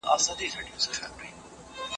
ځیني وختونه بېله موضوع لري